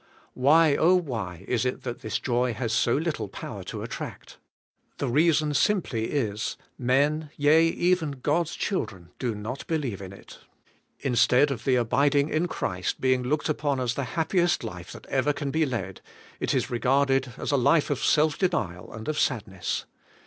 Why, why is it that this joy has so little power to attract? The reason simply is: Men, yea, even God's children, do not believe in it. Instead of the abiding in Christ being looked upon as the happiest life that ever can be led, it is regarded as a life of self denial and of sadness.